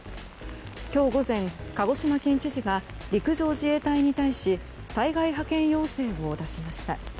今日午前、鹿児島県知事が陸上自衛隊に対し災害派遣要請を出しました。